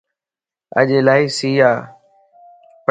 اڄ الائي سي ا